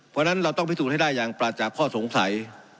เพราะฉะนั้นเราต้องพิสูจน์ให้ได้อย่างปราศจากข้อสงสัย